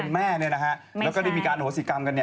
แม่นี่นะครับแล้วก็ได้มีการอภัยศิกรรมกัน